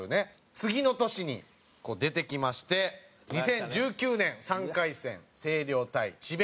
次の年に出てきまして２０１９年３回戦星稜対智弁